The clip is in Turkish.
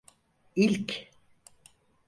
İlk…